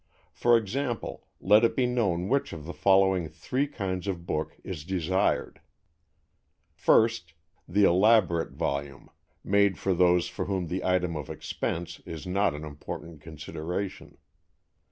For example, let it be known which of the following three kinds of book is desired: First, the elaborate volume, made for those for whom the item of expense is not an important consideration.